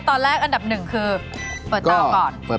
ถ้าอย่างนั้นเดี๋ยวเริ่มเลย